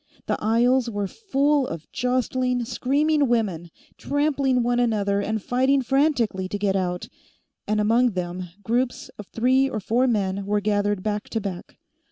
The aisles were full of jostling, screaming women, trampling one another and fighting frantically to get out, and, among them, groups of three or four men were gathered back to back.